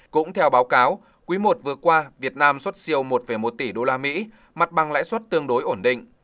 cũng theo báo cáo quý i vừa qua việt nam xuất siêu một một tỷ usd mặt bằng lãi suất tương đối ổn định